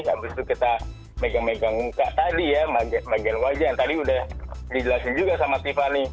habis itu kita megang megang muka tadi ya bagian wajah yang tadi udah dijelasin juga sama tiffany